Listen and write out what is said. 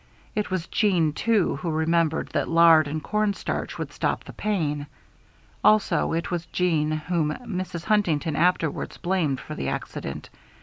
It was Jeanne, too, who remembered that lard and cornstarch would stop the pain. Also, it was Jeanne whom Mrs. Huntington afterwards blamed for the accident.